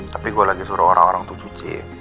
tapi gue lagi suruh orang orang tuh cuci